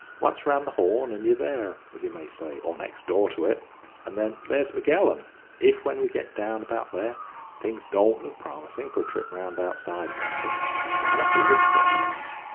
Once round the Horn and you're there, as you may say, or next door to it. And then, there's `Magellan;' if, when we get down about there, things don't look promising for a trip round outside of everything, ram her through the Straits.